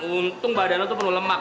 untung badan lo tuh penuh lemak